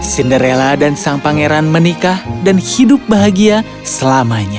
cinderella dan sang pangeran menikah dan hidup bahagia selamanya